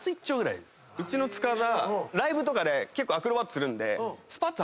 うちの塚田ライブとかで結構アクロバットするんで。